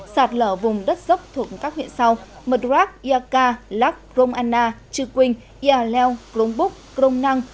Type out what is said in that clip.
sạt lở vùng đất dốc thuộc các huyện sau mật rác yaka lắc krom anna trư quynh yaleo krom búc krom năng